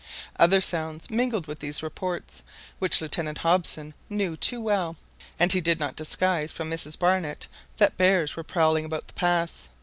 Other sounds mingled with these reports, which Lieutenant Hobson knew too well, and he did not disguise from Mrs Barnett that bears were prowling about the pass.